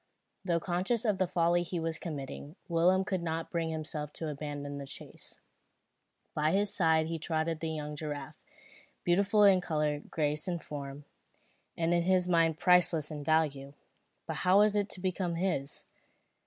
Though conscious of the folly he was committing, Willem could not bring himself to abandon the chase. By his side trotted the young giraffe, beautiful in colour, graceful in form, and to his mind priceless in value. But how was it to become his?